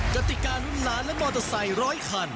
กติการุ่นล้านและมอเตอร์ไซค์ร้อยคัน